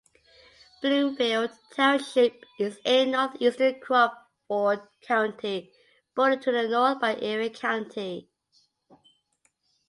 Bloomfield Township is in northeastern Crawford County, bordered to the north by Erie County.